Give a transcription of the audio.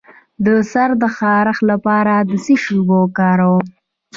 د سر د خارښ لپاره د څه شي اوبه وکاروم؟